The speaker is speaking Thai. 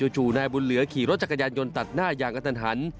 นายบุญเหลือขี่รถจักรยานยนต์ตัดหน้าอย่างกระทันหัน